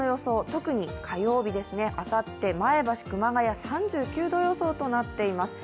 特に火曜日ですね、あさって前橋、熊谷、３９度予想となっています。